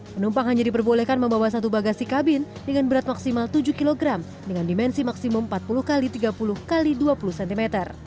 penumpang hanya diperbolehkan membawa satu bagasi kabin dengan berat maksimal tujuh kg dengan dimensi maksimum empat puluh x tiga puluh x dua puluh cm